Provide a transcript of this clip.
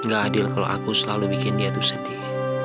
gak adil kalau aku selalu bikin dia tuh sedih